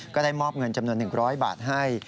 ก็ได้มอบเงินจำนวน๑๐๐บาทให้